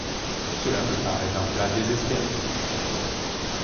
Tout cela me paraît d'un plat désespérant.